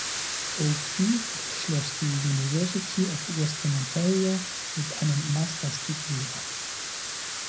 O’Keeffe schloss die "University of Western Ontario" mit einem "Master's Degree" ab.